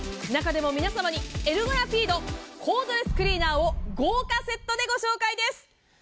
中でも皆様にエルゴラピードコードレスクリーナーを豪華セットでご紹介です！